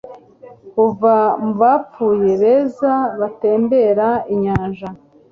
kuva mu bapfuye beza batembera inyanja